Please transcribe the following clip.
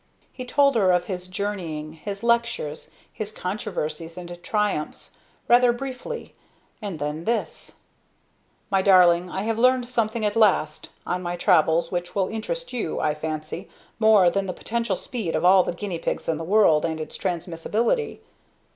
He told her of his journeying, his lectures, his controversies and triumphs; rather briefly and then: "My darling, I have learned something at last, on my travels, which will interest you, I fancy, more than the potential speed of all the guinea pigs in the world, and its transmissability.